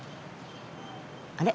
あれ？